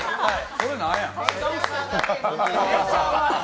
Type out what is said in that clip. それ何やん？